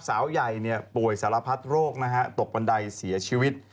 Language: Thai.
สาวใหญ่ป่วยศาลพัฏโรคตกอาชาธิ์ปันใดเสียชีวิต